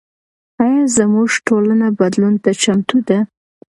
ایا زموږ ټولنه بدلون ته چمتو ده؟